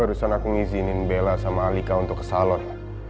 barusan aku ngizinin bella sama alika untuk ke salon